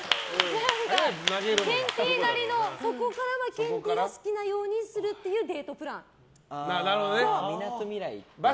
ケンティーなりのそこからはケンティーが好きなようにするっていうデートプラン。